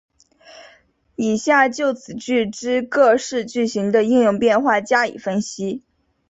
以下就此句之各式句型的应用变化加以分析。